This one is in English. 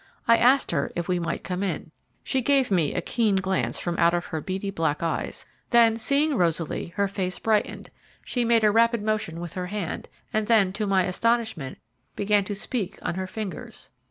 I asked her if we might come in. She gave me a keen glance from out of her beady black eyes, then seeing Rosaly, her face brightened, she made a rapid motion with her hand, and then, to my astonishment, began to speak on her fingers.